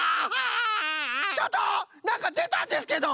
ちょっとなんかでたんですけど！